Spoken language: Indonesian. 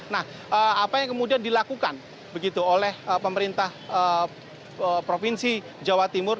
nah apa yang kemudian dilakukan begitu oleh pemerintah provinsi jawa timur